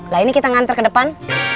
lah ini kita ngantre ke depan